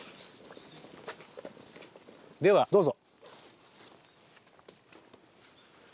ではどうぞ。